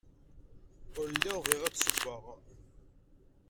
Ur lliɣ bɣiɣ ad d-ssewweɣ.